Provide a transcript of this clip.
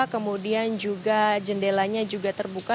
kemudian juga jendelanya juga terbuka